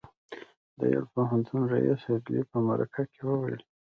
د یل پوهنتون ريیس هيډلي په مرکه کې وویل